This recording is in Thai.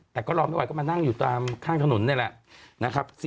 แต่ก็รอไม่ไหวก็มานั่งอยู่ตามข้างถนนนี่แหละนะครับ